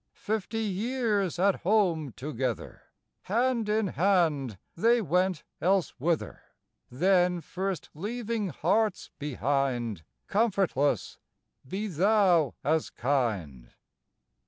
Fifty years at home together, Hand in hand, they went elsewhither, Then first leaving hearts behind Comfortless. Be thou as kind.